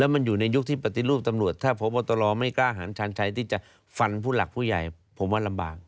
มันอยู่ในยุคที่ปฏิรูปตำรวจถ้าพบตรไม่กล้าหารชาญชัยที่จะฟันผู้หลักผู้ใหญ่ผมว่าลำบาก